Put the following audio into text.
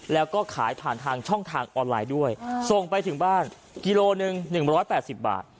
แล้วก็ขายผ่านทางช่องทางออนไลน์ด้วยส่งไปถึงบ้านกิโลหนึ่ง๑๘๐บาท